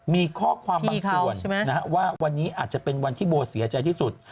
มีข้อความบางส่วนว่าวันนี้อาจจะเป็นวันที่โบเสียใจที่สุด